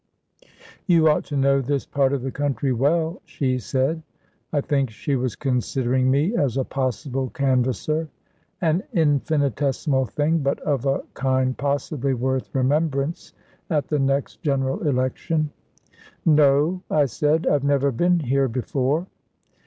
"You ought to know this part of the country well," she said. I think she was considering me as a possible canvasser an infinitesimal thing, but of a kind possibly worth remembrance at the next General Election. "No," I said, "I've never been here before."